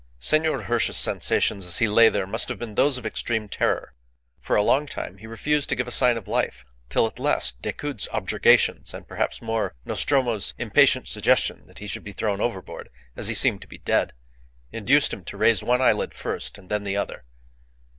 Senor Hirsch's sensations as he lay there must have been those of extreme terror. For a long time he refused to give a sign of life, till at last Decoud's objurgations, and, perhaps more, Nostromo's impatient suggestion that he should be thrown overboard, as he seemed to be dead, induced him to raise one eyelid first, and then the other.